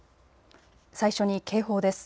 最初に警報です。